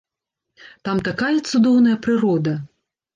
Там такая цудоўная прырода!